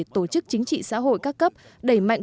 tổ chức chính trị xã hội các cấp đẩy mạnh